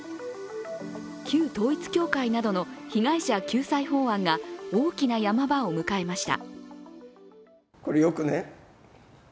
旧統一教会などの被害者救済法案が大きな山場を迎えました。